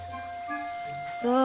そう。